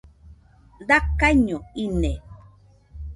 Dakaiño ine